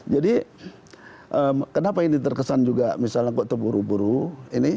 jadi kenapa ini terkesan juga misalnya kok terburu buru ini